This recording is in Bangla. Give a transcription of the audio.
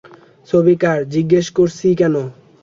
ছবি কার জিজ্ঞেস করছি কেন?